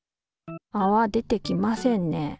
あわ出てきませんね。